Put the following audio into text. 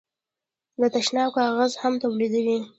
د تشناب کاغذ هم تولیدوي.